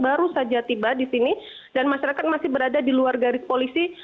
baru saja tiba di sini dan masyarakat masih berada di luar garis polisi